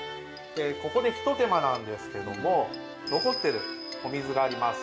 ここで一手間なんですけども残っているお水があります。